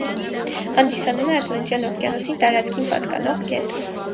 Հանդիսանում է ատլանտյան օվկիանոսի տարածքին պատկանող գետ։